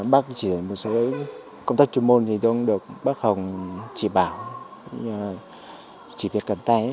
bác chỉ ở một số công tác chuyên môn thì tôi cũng được bác hồng chỉ bảo chỉ việc cần tay